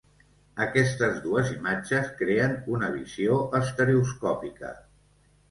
Aquestes dues imatges creen una visió estereoscòpica.